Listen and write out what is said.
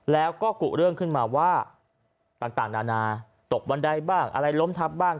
แล้วก็กุเรื่องขึ้นมาว่าต่างนานาตกบันไดบ้างอะไรล้มทับบ้าง